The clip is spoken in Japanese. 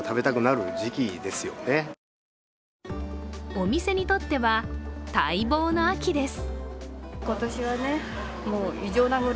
お店にとっては待望の秋です。